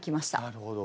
なるほど。